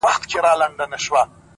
زحمت د موخو د رسېدو وسیله ده,